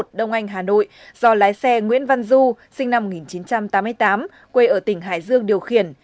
đông anh hà nội do lái xe nguyễn văn du sinh năm một nghìn chín trăm tám mươi tám quê ở tỉnh hải dương điều khiển